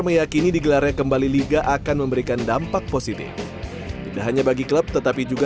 meyakini digelarnya kembali liga akan memberikan dampak positif tidak hanya bagi klub tetapi juga